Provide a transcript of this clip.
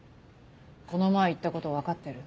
この前言ったこと分かってる？